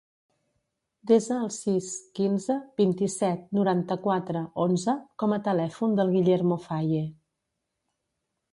Desa el sis, quinze, vint-i-set, noranta-quatre, onze com a telèfon del Guillermo Faye.